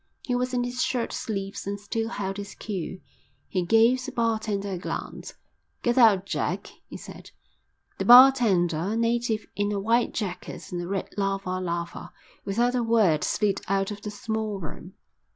He was in his shirt sleeves and still held his cue. He gave the bar tender a glance. "Get out, Jack," he said. The bar tender, a native in a white jacket and a red lava lava, without a word slid out of the small room.